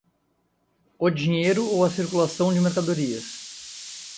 O dinheiro ou a circulação de mercadorias